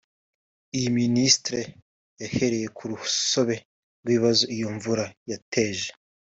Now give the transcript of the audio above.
Iyi Minisiteri yahereye ku rusobe rw’ibabazo iyo imvura yateje